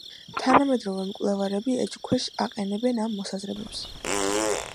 თანამედროვე მკვლევარები ეჭვქვეშ აყენებენ ამ მოსაზრებებს.